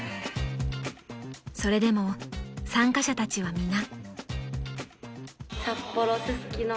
［それでも参加者たちは皆］